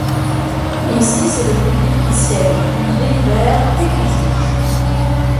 Ici, c’est le public qui siège, qui délibère et qui juge.